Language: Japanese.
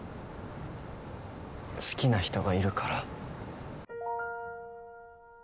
「好きな人がいるから」